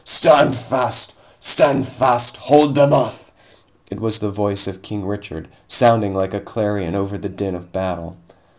"Stand fast! Stand fast! Hold them off!" It was the voice of King Richard, sounding like a clarion over the din of battle.